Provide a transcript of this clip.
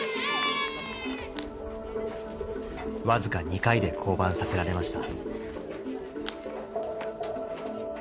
僅か２回で降板させられました。